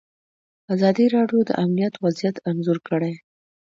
ازادي راډیو د امنیت وضعیت انځور کړی.